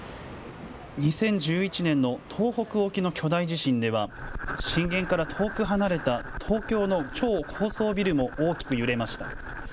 ２０１１年の東北沖の巨大地震では震源から遠く離れた東京の超高層ビルも大きく揺れました。